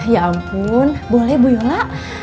ya ampun boleh bu yola